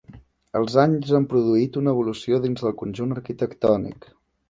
Els anys han produït una evolució dins del conjunt arquitectònic.